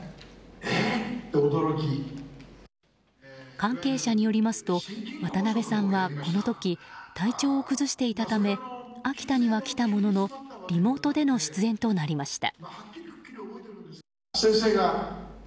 関係者によりますと渡辺さんは、この時体調を崩していたため秋田には来たもののリモートでの出演となりました。